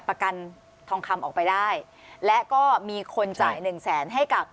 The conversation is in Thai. ประกันทองคำออกไปได้และก็มีคนจ่ายหนึ่งแสนให้กับ